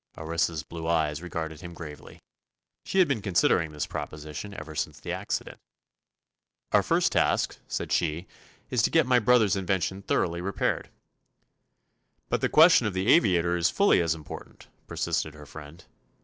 Orissa's blue eyes regarded him gravely. She had been considering this proposition ever since the accident. "Our first task," said she, "is to get my brother's invention thoroughly repaired." "But the question of the aviator is fully as important," persisted her friend.